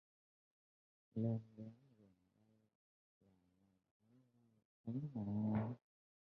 Lên đến gần đây là mình thấy ngay ấy mà